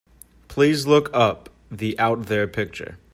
Please look up the Out There picture.